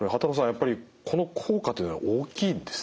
やっぱりこの効果っていうのは大きいんですね。